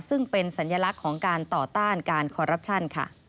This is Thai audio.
ซึ่งเป็นสัญลักษณ์ของการต่อต้านการคอรัปชั่น